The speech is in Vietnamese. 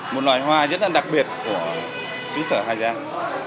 một loài hoa rất là đặc biệt của xứ sở hà giang